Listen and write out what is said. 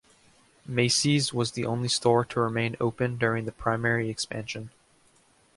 Macy's was the only store to remain open during the primary expansion.